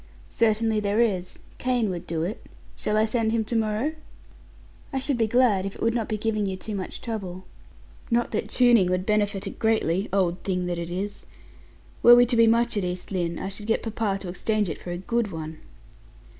"Certainly there is. Kane would do it. Shall I send him to morrow?" "I should be glad, if it would not be giving you too much trouble. Not that tuning will benefit it greatly, old thing that it is. Were we to be much at East Lynne, I should get papa to exchange it for a good one."